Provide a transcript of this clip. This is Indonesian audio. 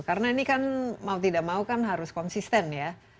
karena ini kan mau tidak mau kan harus konsisten ya